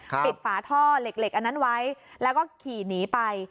ฝาท่อเหล็กอันนั้นไว้แล้วก็ขี่หนีไป